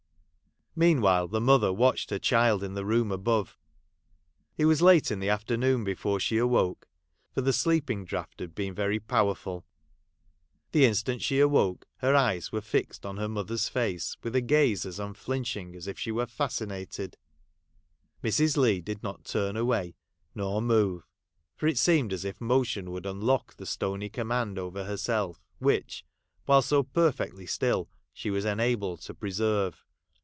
Meanwhile the mother watched her child in the room above. It was late in the afternoon before she awoke ; for the sleeping draught had been very powerful. The instant she awoke, her eyes were fixed on her mother's face with a gaze as unflinching as if she were fascinated. Mrs. Leigh did not turn away ; nor move. For it seemed as if motion would unlock the stony command over herself which, while so perfectly still, she was enabled to preserve.